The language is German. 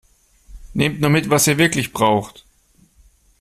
Nehmt nur mit, was ihr wirklich braucht!